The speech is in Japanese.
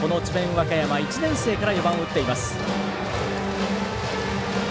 和歌山１年生から４番を打っています。